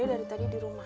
ada dari tadi di rumah